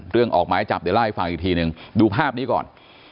เรื่องออกหมายจับเดี๋ยวร่ายฟังอีกทีดูภาพนี้ก่อน